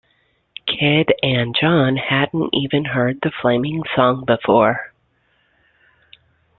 Kid and John hadn't even heard the flaming song before.